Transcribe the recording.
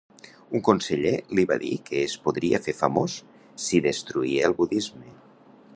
Un conseller li va dir que es podria fer famós si destruïa el budisme.